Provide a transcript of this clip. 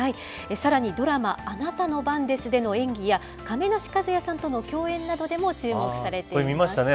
さらにドラマ、あなたの番ですでの演技や、亀梨和也さんとの共演などでも注目されています。